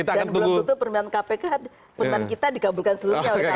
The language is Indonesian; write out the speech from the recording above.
dan belum tentu permintaan kpk permintaan kita dikabulkan seluruhnya oleh kpk